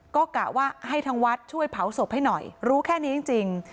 ก็กะว่าให้ทางวัดช่วยเผาศพให้หน่อยรู้แค่นี้จริง